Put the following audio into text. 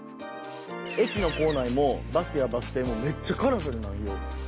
駅の構内もバスやバス停もめっちゃカラフルなんよ。